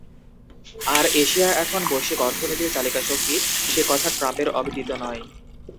আর Asia এখন বৈশ্বিক অর্থনীতির চালিকাশক্তি সে কথা ট্রাম্পের অবিদিত নয়।